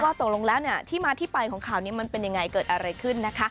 ตกลงแล้วที่มาที่ไปของข่าวนี้มันเป็นยังไงเกิดอะไรขึ้นนะคะ